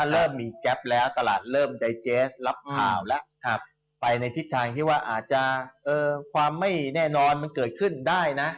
เริ่มมีแก๊บแล้วตลาดรับถ่าวไปในทิศทางไม่แน่นอนมันเกิดเกินได้นะ